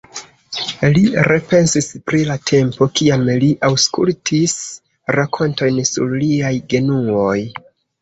Li repensis pri la tempo, kiam li aŭskultis rakontojn sur liaj genuoj.